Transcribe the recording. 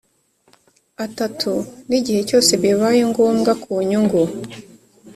atatu n igihe cyose bibaye ngombwa ku nyungu